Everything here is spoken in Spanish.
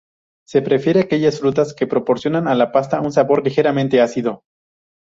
Se prefiere aquellas frutas que proporcionan a la pasta un sabor ligeramente ácido.